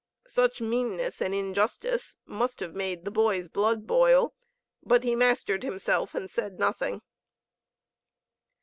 Such meanness and injustice must have made the boy's blood boil. But he mastered himself and said nothing.